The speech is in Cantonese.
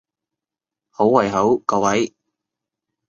好胃口各位！